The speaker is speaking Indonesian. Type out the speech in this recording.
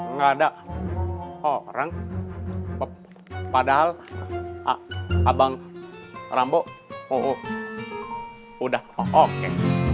ngadak orang padahal abang rambut udah oke